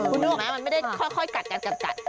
คุณรู้ไหมมันไม่ได้ค่อยกัด